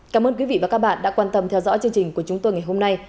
cảm ơn quý vị và các bạn đã quan tâm theo dõi chương trình của chúng tôi ngày hôm nay